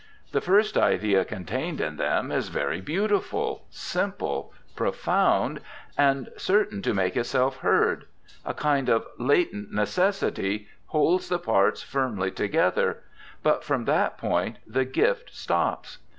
The first idea contained in them is very beautiful, simple, profound, and certain to make itself heard; a kind of latent necessity holds the parts firmly together, but from that point the gift stops.